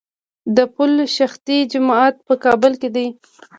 د پل خشتي جومات په کابل کې دی